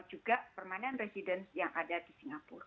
juga permanent residence yang ada di singapura